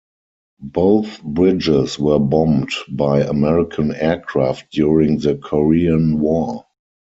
Both bridges were bombed by American aircraft during the Korean War.